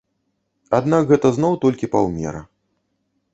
Аднак гэта зноў толькі паўмера.